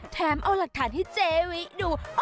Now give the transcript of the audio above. แถมเอาหลักฐานให้เจวิดู